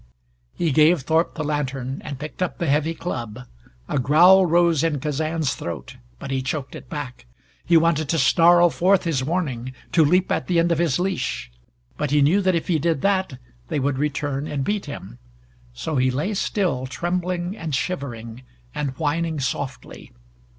He gave Thorpe the lantern and picked up the heavy club. A growl rose in Kazan's throat, but he choked it back. He wanted to snarl forth his warning, to leap at the end of his leash, but he knew that if he did that, they would return and beat him. So he lay still, trembling and shivering, and whining softly.